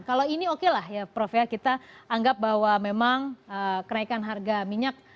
kalau ini oke lah ya prof ya kita anggap bahwa memang kenaikan harga minyak